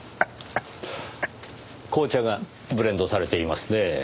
紅茶がブレンドされていますね。